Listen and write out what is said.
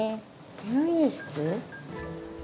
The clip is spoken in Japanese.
入院室？